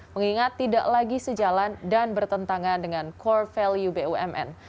mengingat tidak lagi sejalan dan bertentangan dengan core value bumn